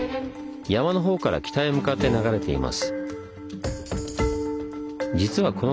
山のほうから北へ向かって流れています。